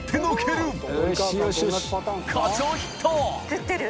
食ってる。